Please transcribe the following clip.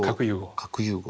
核融合。